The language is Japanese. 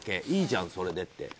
いいじゃん、それでって。